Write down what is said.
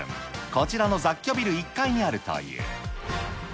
こちらの雑居ビル１階にあるという。